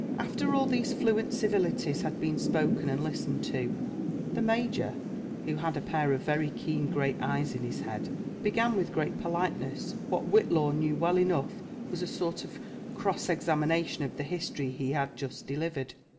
After all these fluent civilities had been* spoken and listened to, the major, who had a pair of very keen grey eyes in his head, began with great politeness what Whitlaw knew well enough was a sort of cross examination of the history he had just delivered.